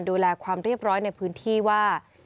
ดูแลความเรียบร้อยในพื้นที่ว่า